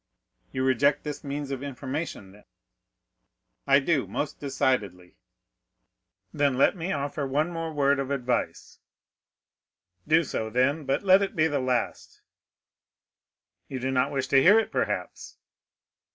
"You reject this means of information, then?" "I do—most decidedly." "Then let me offer one more word of advice." "Do so, then, but let it be the last." "You do not wish to hear it, perhaps?"